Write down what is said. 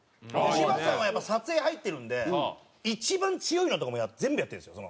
柴田さんはやっぱ撮影入ってるんで一番強いのとかも全部やってるんですよ。